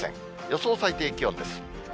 予想最低気温です。